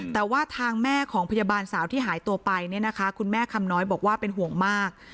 แต่ว่าทางแม่ของพยาบาลสาวที่หายตัวไปเนี่ยนะคะคุณแม่คำน้อยบอกว่าเป็นห่วงมาก